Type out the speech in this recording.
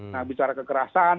nah bicara kekerasan